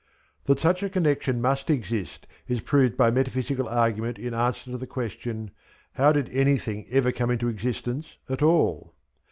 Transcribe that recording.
That such a connection must exist is proved by metaphysical argument in answer to the question, "How did anything ever come into existence at all?"